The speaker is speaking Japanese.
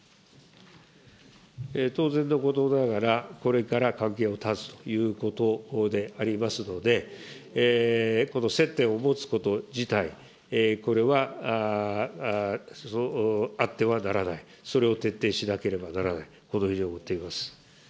当然のことながら、これから関係を断つということでありますので、この接点を持つこと自体、これはあってはならない、それを徹底しなければならない、このように思っております。